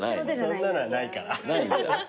そんなのはないから。